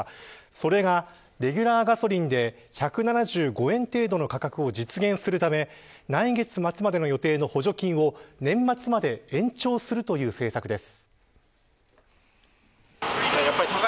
それが、レギュラーガソリンで１７５円程度の価格を実現するため来月末までの予定の補助金を年末まで延長するという政策です。